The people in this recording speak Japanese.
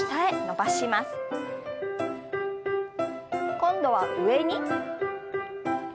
今度は上に。